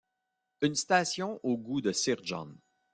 une station au goût de sir john.